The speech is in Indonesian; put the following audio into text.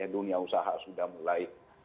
dunia usaha sudah mulai